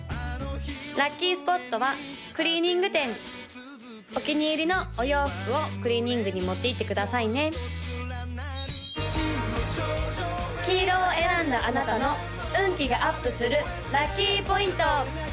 ・ラッキースポットはクリーニング店お気に入りのお洋服をクリーニングに持っていってくださいね黄色を選んだあなたの運気がアップするラッキーポイント！